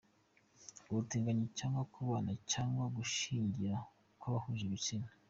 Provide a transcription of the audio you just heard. Ubutinganyi cyangwa kubana cyangwa gushyingira kw’ abahuje ibitsina.